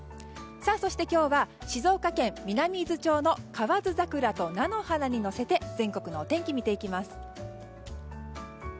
そして今日は静岡県南伊豆町の河津桜と菜の花に乗せて全国のお天気を見ていきます。